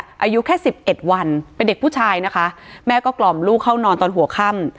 อายุแค่สิบเอ็ดวันเป็นเด็กผู้ชายนะคะแม่ก็กล่อมลูกเข้านอนตอนหัวค่ำ